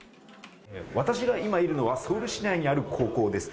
私が今いるのはソウル市内にある高校です。